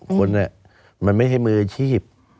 คนมันไม่ใช่มืออาชีพ